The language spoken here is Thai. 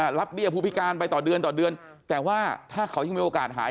รับเบี้ยผู้พิการไปต่อเดือนต่อเดือนแต่ว่าถ้าเขายังมีโอกาสหาย